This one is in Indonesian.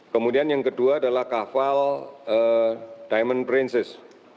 kemudian yang kedua adalah kapal diamond princes